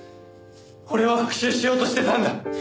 俺は復讐しようとしてたんだ。